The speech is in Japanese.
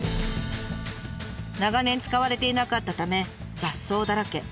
長年使われていなかったため雑草だらけ。